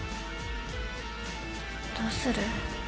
どうする？